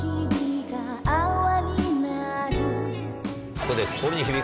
ここで。